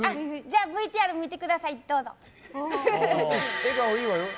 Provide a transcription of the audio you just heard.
ＶＴＲ見てください、どうぞ！